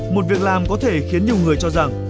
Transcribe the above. một việc làm có thể khiến nhiều người cho rằng